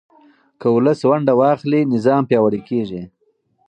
که ولس ونډه واخلي، نظام پیاوړی کېږي.